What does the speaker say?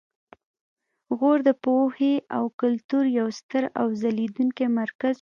غور د پوهې او کلتور یو ستر او ځلیدونکی مرکز و